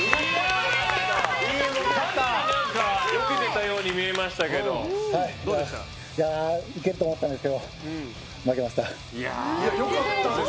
うまくよけてたように見えましたけどいけると思ったんですけど負けました。